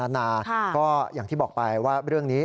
นาก็อย่างที่บอกไปว่าเรื่องนี้